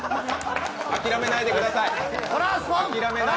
諦めないでください。